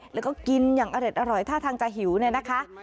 แล้วก็กินอย่างอร่อยท่าทางจะหิวเนี่ยนะคะ